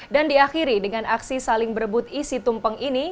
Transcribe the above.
dan diakhiri dengan aksi saling berebut isi tumpeng ini